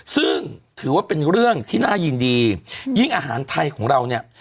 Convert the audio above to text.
ซึ่งถือว่าเป็นเรื่องที่น่ายินดียิ่งอาหารไทยของเราเนี่ย